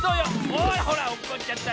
ほらほらおっこっちゃった。